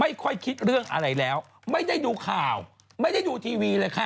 ค่อยคิดเรื่องอะไรแล้วไม่ได้ดูข่าวไม่ได้ดูทีวีเลยค่ะ